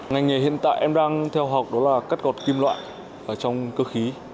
ngành nghề hiện tại em đang theo học đó là cắt gọt kim loại trong cơ khí